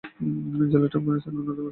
জেলাটি আফগানিস্তানের অন্যতম ধনী জেলার একটি।